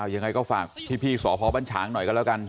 ยังไงก็ฝากพี่สพบัญชางหน่อยกันแล้วกัน